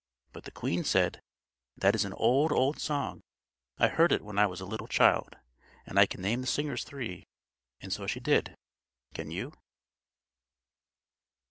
But the queen said: "That is an old, old song. I heard it when I was a little child; and I can name the singers three." And so she did. Can you?